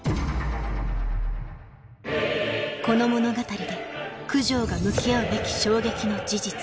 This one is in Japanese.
この物語で九条が向き合うべき衝撃の事実